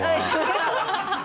ハハハ